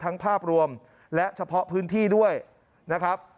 ภาพรวมและเฉพาะพื้นที่ด้วยนะครับ